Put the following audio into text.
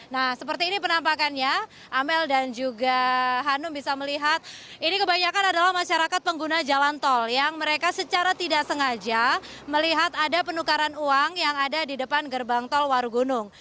nah seperti ini penampakannya amel dan juga hanum bisa melihat ini kebanyakan adalah masyarakat pengguna jalan tol yang mereka secara tidak sengaja melihat ada penukaran uang yang ada di depan gerbang tol warugunung